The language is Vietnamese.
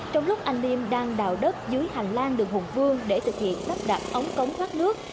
trong lúc anh liêm đang đào đất dưới hành lang đường hùng vương để thực hiện lắp đặt ống cống thoát nước